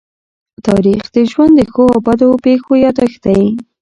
تاریخ د ژوند د ښو او بدو پېښو يادښت دی.